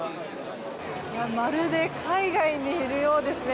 まるで海外にいるようですね。